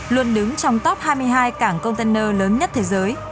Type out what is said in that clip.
luôn đứng trong top hai mươi hai cảng container lớn nhất thế giới